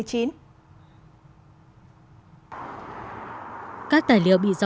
các tài liệu bình luận